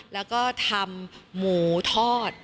แล้วก็ทำหมูทอด